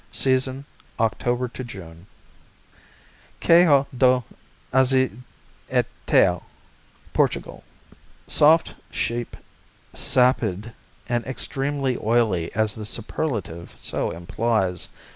Season, October to June. Azeitão, Queijo do Portugal Soft, sheep, sapid and extremely oily as the superlative ão implies.